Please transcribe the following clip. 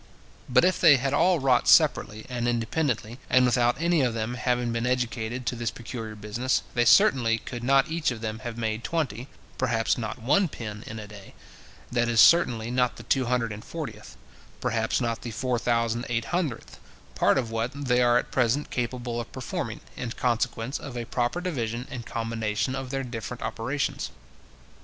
But if they had all wrought separately and independently, and without any of them having been educated to this peculiar business, they certainly could not each of them have made twenty, perhaps not one pin in a day; that is, certainly, not the two hundred and fortieth, perhaps not the four thousand eight hundredth, part of what they are at present capable of performing, in consequence of a proper division and combination of their different operations.